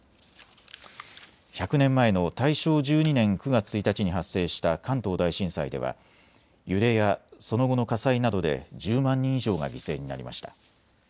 １００年前の大正１２年９月１日に発生した関東大震災では揺れやその後の火災などで１０万人以上が犠牲になりました。